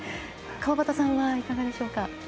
川端さんはいかがでしょうか。